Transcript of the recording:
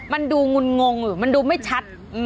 มันดูงุลงงมันดูไม่ชัด